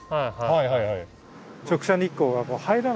はいはいはい。